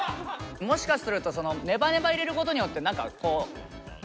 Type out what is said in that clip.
もしかするとネバネバ入れることによって何かこう伸びたりするんですか？